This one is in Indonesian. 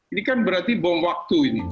ini kan berarti bom waktu ini